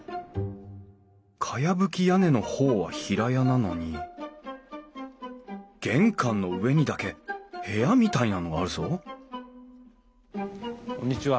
かやぶき屋根の方は平屋なのに玄関の上にだけ部屋みたいなのがあるぞこんにちは。